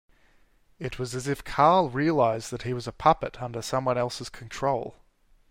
It was as if Carl realised that he was a puppet under someone else's control.